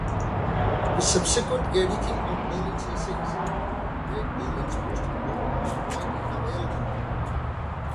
His subsequent editing of Berlin's essays made Berlin's most important work widely available.